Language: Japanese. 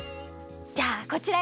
じゃあこちらへどうぞ！